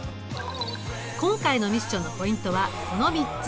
今回のミッションのポイントはこの３つ。